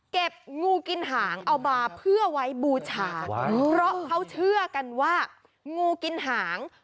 เก็บงูกินหางเอามาเพื่อไว้บูชาเพราะเขาเชื่อกันว่างูกินหาง